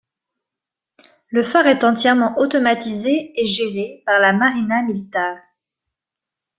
Le phare est entièrement automatisé et géré par la Marina Militare.